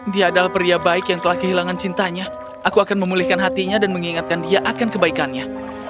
dia adalah pria baik yang telah kehilangan cintanya aku akan memulihkan hatinya dan mengingatkan dia akan kebaikannya